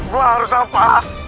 gue harus apa